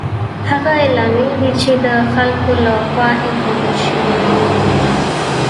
هغه علامې دي چې د خلکو له خوا ایښودل شوي دي.